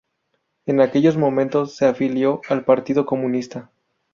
En aquellos momentos se afilió al Partido Comunista.